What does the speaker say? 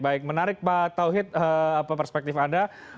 baik menarik pak tawhid perspektif anda